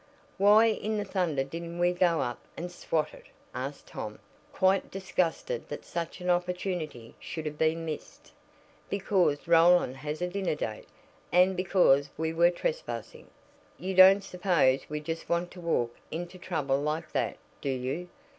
"Why in thunder didn't we go up and swat it?" asked Tom, quite disgusted that such an opportunity should have been missed. "Because Roland has a dinner date, and because we were trespassing. You don't suppose we just want to walk into trouble like that, do you?"